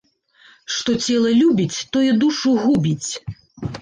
Што цела любіць, тое душу губіць